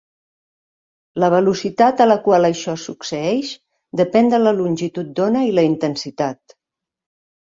La velocitat a la qual això succeeix depèn de la longitud d'ona i la intensitat.